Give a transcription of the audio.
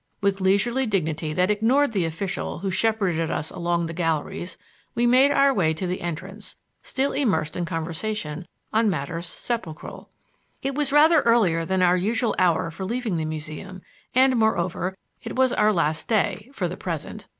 With leisurely dignity that ignored the official who shepherded us along the galleries, we made our way to the entrance, still immersed in conversation on matters sepulchral. It was rather earlier than our usual hour for leaving the Museum and, moreover, it was our last day for the present.